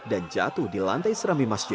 dan jatuh di lantai serambi masjid